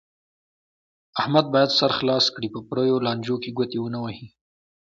احمد باید خپل سر خلاص کړي، په پریو لانجو کې ګوتې و نه وهي.